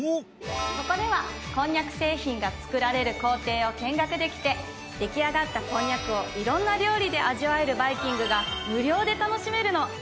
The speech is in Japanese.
ここではこんにゃく製品が作られる工程を見学できて出来上がったこんにゃくを色んな料理で味わえるバイキングが無料で楽しめるの！